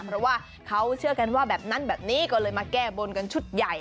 เพราะว่าเขาเชื่อกันว่าแบบนั้นแบบนี้ก็เลยมาแก้บนกันชุดใหญ่